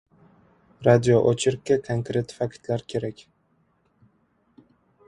Radio- ocherkka konkret faktlar kerak!